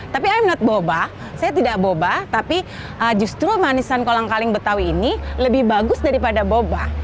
tapi im not boba saya tidak boba tapi justru manisan kolang kaling betawi ini lebih bagus daripada boba